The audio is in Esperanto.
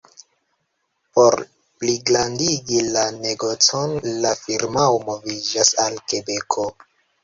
Por pligrandigi la negocon, la firmao moviĝas al Kebeko.